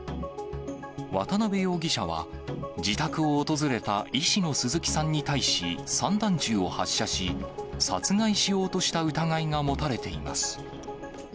渡辺容疑者は、自宅を訪れた医師の鈴木さんに対し、散弾銃を発射し、殺害しようとした疑いが持たれています。